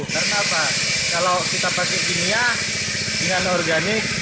karena apa kalau kita pakai kimia dengan organik